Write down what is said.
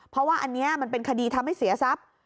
เพราะว่าอันนี้มันเป็นคดีทำให้เสียทรัพย์